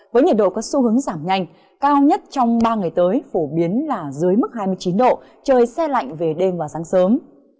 với nhiệt độ có xu hướng giảm nhanh cao nhất trong ba ngày tới phổ biến là dưới mức hai mươi chín độ trời xe lạnh về đêm và sáng sớm